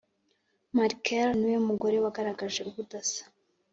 Markel ni we mugore wagaragaje ubudasa